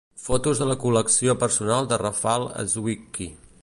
Fotos de la col·lecció personal de Rafal Swiecki.